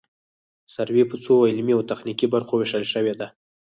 سروې په څو علمي او تخنیکي برخو ویشل شوې ده